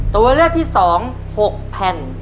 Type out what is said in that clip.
ตัวเลือดที่สอง๖แผ่น